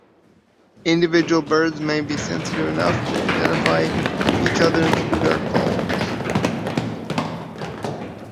Individual birds may be sensitive enough to identify each other through their calls.